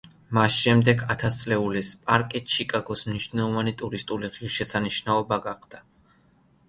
მას შემდეგ ათასწლეულის პარკი ჩიკაგოს მნიშვნელოვანი ტურისტული ღირსშესანიშნაობა გახდა.